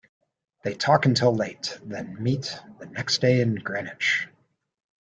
They talk until late, then meet the next day in Greenwich.